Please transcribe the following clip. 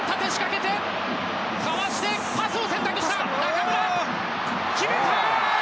かわしてパスを選択した中村決めた！